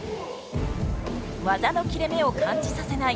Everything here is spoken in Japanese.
技の切れ目を感じさせない